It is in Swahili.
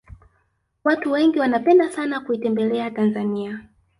watu wengi wanapenda sana kuitembelea tanzania